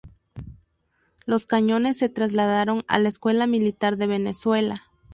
Los cañones se trasladaron a la Escuela Militar de Venezuela.